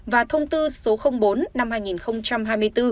và thông tư số bốn năm hai nghìn hai mươi bốn